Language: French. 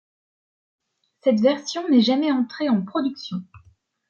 Cette version n'est jamais entrée en production.